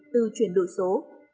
từ chuyển đổi số